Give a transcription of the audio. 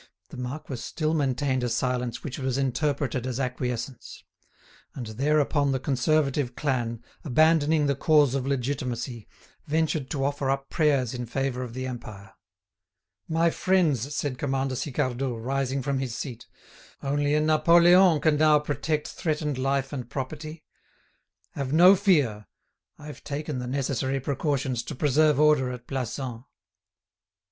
The marquis still maintained a silence which was interpreted as acquiescence. And thereupon the Conservative clan, abandoning the cause of Legitimacy, ventured to offer up prayers in favour of the Empire. "My friends," said Commander Sicardot, rising from his seat, "only a Napoleon can now protect threatened life and property. Have no fear, I've taken the necessary precautions to preserve order at Plassans."